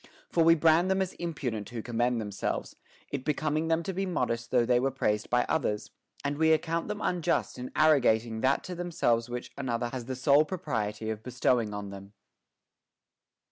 For we brand them as impudent who commend themselves, it becoming them to be modest though they were praised by others ; and we account them unjust in arrogating that to themselves which another has the sole propriety of bestowing on them.